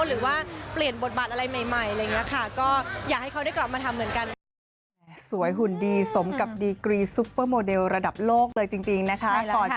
หรือว่าเปลี่ยนบทบัตรอะไรใหม่อะไรอย่างนี้ค่ะ